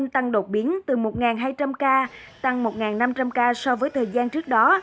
tăng đột biến từ một hai trăm linh ca tăng một năm trăm linh ca so với thời gian trước đó